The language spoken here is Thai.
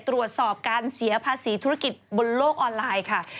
ตรวจสอบการเสียภาษีธุรกิจบนโลกออนไลน์ค่ะ